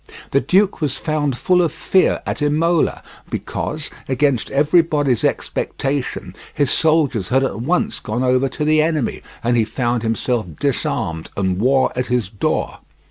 The duke was found full of fear at Imola, because, against everybody's expectation, his soldiers had at once gone over to the enemy and he found himself disarmed and war at his door.